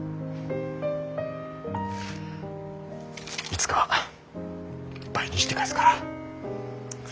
いつか倍にして返すから。